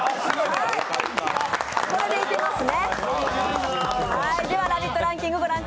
これでいけますね。